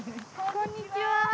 こんにちは。